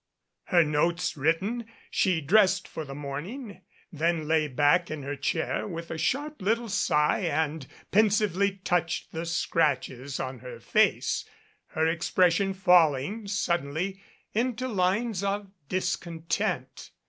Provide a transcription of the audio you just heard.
Her notes written, she dressed for the morning, then lay back in her chair with a sharp little sigh and pen sively touched the scratches on her face, her expression falling suddenly into lines of discontent.